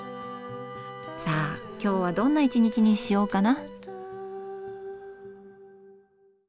さあ今日はどんな一日にしようかな？